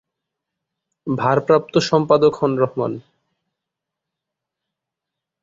ভারপ্রাপ্ত সম্পাদক হন রহমান।